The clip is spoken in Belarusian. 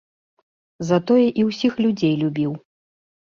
Затое і ўсіх людзей любіў.